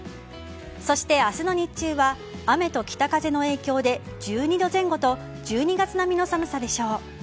そして明日の日中は雨と北風の影響で１２度前後と１２月並みの寒さでしょう。